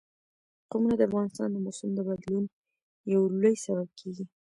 قومونه د افغانستان د موسم د بدلون یو لوی سبب کېږي.